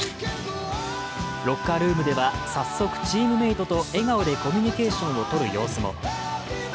ロッカールームでは、早速、チームメイトと笑顔でコミュニケーションをとる様子も。